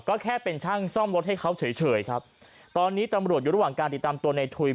ก็แค่เป็นช่างซ่อมรถให้เขาเฉยเฉยครับตอนนี้ตำรวจอยู่ระหว่างการติดตามตัวในทุย